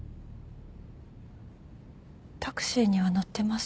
タクシーには乗ってません。